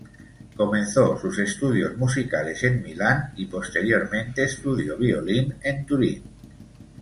Comenzó sus estudios musicales en Milán y posteriormente estudió violín en Turín.